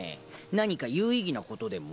何か有意義なことでも？